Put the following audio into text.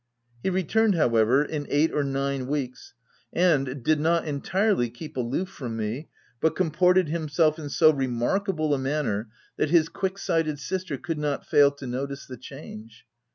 He returned however in eight or nine weeks — and, did not entirely keep aloof from me, but comported him self in so remarkable a manner that his quick sighted sister could not fail to notice the change.